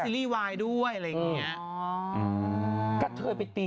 เพราะว่าเขาไปเล่นซีรีส์วายด้วยอะไรอย่างนี้